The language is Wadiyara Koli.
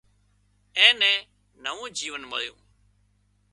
اين نين نوون جيونَ مۯيُون